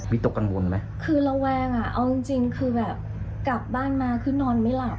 ตกกังวลไหมคือระแวงอ่ะเอาจริงจริงคือแบบกลับบ้านมาคือนอนไม่หลับ